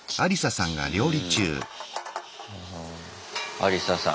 アリサさん。